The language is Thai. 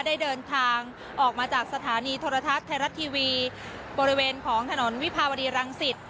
ได้เดินทางออกมาจากสถานีโทรทัศน์ไทยรัฐทีวีบริเวณของถนนวิภาวดีรังสิต